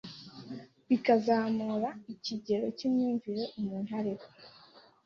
bikazamura ikigero cy’imyumvire umuntu ariho